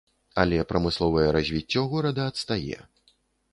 Але прамысловае развіццё горада адстае.